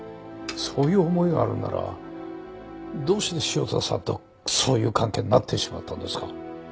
そういう思いがあるんならどうして汐田さんとそういう関係になってしまったんですか？